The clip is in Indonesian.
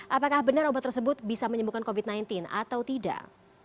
apakah benar obat tersebut bisa menyembuhkan covid sembilan belas atau tidak